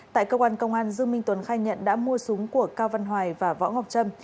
tại cơ quan công an dương minh tuấn khai nhận đã mua súng của cao văn hoài và võ ngọc trâm